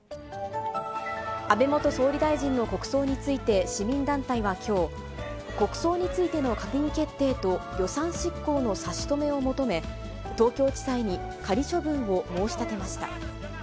安倍元総理大臣の国葬について市民団体はきょう、国葬についての閣議決定と予算執行の差し止めを求め、東京地裁に仮処分を申し立てました。